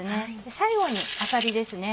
最後にあさりです。